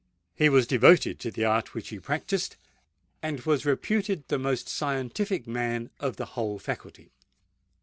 He was devoted to the art which he practised, and was reputed the most scientific man of the whole faculty.